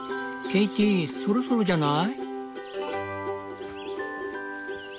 ケイティそろそろじゃない？